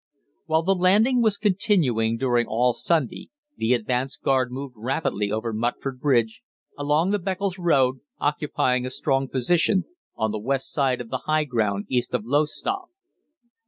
"While the landing was continuing during all Sunday the advance guard moved rapidly over Mutford Bridge, along the Beccles Road, occupying a strong position on the west side of the high ground east of Lowestoft.